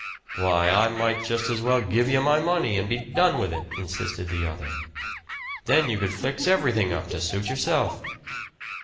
"Why, I might just as well give you my money and be done with it," insisted the other. "Then you could fix everything up to suit yourself."